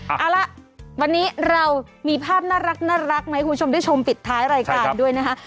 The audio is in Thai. เอาละวันนี้เรามีภาพน่ารักมาให้คุณผู้ชมได้ชมปิดท้ายรายการด้วยนะคะ